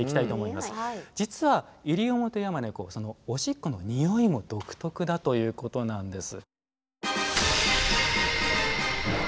実はイリオモテヤマネコオシッコのニオイも独特だということなんです。